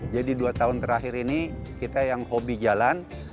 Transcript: jadi dua tahun terakhir ini kita yang hobi jalan